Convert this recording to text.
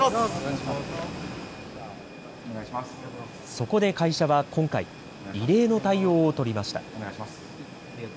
そこで会社は今回、異例の対応を取りました。